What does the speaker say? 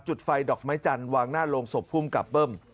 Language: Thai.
จุดไฟดอกไม้จันทร์วางหน้าโรงศพภูมิกับเบิ้ม